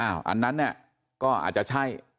อันนั้นก็อาจจะใช่